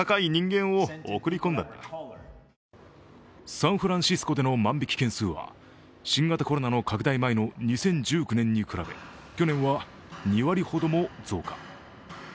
サンフランシスコでの万引き件数は新型コロナの拡大前の２０１９年に比べ去年は２割ほども増加。